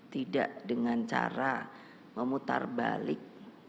tidak dengan cara memutar balik